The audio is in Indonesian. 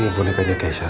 ini boleh aja keisha